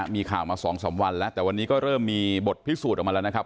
มีข่าวมา๒๓วันแล้วแต่วันนี้ก็เริ่มมีบทพิสูจน์ออกมาแล้วนะครับ